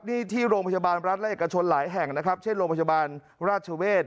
นี่ที่โรงพยาบาลรัฐและเอกชนหลายแห่งนะครับเช่นโรงพยาบาลราชเวศ